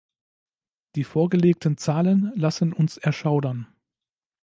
Die vorgelegten Zahlen lassen uns erschaudern.